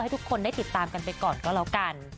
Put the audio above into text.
ทุกคนได้ติดตามกันไปก่อนก็แล้วกัน